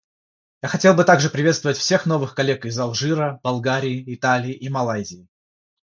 Я хотел бы также приветствовать всех новых коллег из Алжира, Болгарии, Италии и Малайзии.